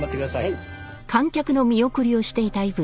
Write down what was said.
はい。